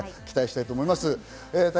期待したいと思います。